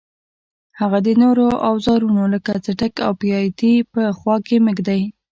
هغه د نورو اوزارونو لکه څټک او بیاتي په خوا کې مه ږدئ.